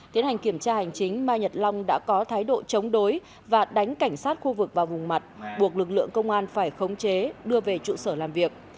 tiến hành kiểm tra hành chính mai nhật long đã có thái độ chống đối và đánh cảnh sát khu vực vào vùng mặt buộc lực lượng công an phải khống chế đưa về trụ sở làm việc